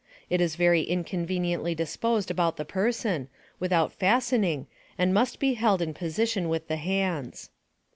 It is very inconveniently disposed about the person, without fastening, and must be held in position with the hands.